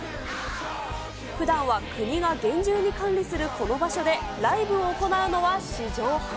ふだんは国が厳重に管理するこの場所でライブを行うのは史上初。